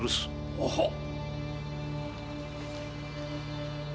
ははっ。